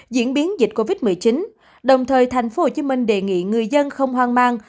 diễn biến dịch covid một mươi chín đồng thời thành phố hồ chí minh đề nghị người dân không hoang mang